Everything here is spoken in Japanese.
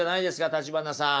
橘さん。